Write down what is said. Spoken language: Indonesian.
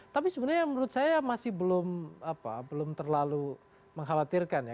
tapi sebenarnya menurut saya masih belum terlalu mengkhawatirkan ya